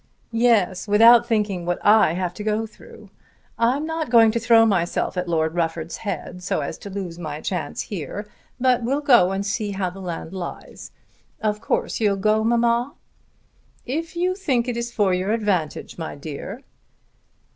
"Yes, without thinking what I have to go through. I'm not going to throw myself at Lord Rufford's head so as to lose my chance here; but we'll go and see how the land lies. Of course you'll go, mamma." "If you think it is for your advantage, my dear."